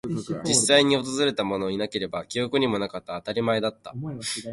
実際に訪れたものはいなければ、記憶にもなかった。当たり前だった。